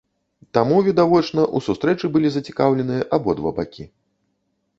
Таму, відавочна, у сустрэчы былі зацікаўленыя абодва бакі.